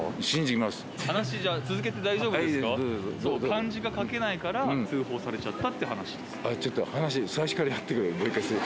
漢字が書けないから通報されちゃったって話です。